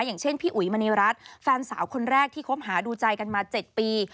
อย่างเช่นพี่อุ๋ยมณีรัฐแฟนสาวคนแรกที่คบหาดูใจกันมา๗ปี